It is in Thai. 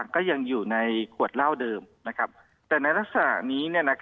ของผู้ขอเนี่ย